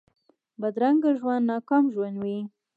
بدرنګه ژوند ناکام ژوند وي